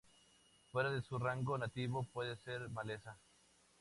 Fuera de su rango nativo, puede ser maleza.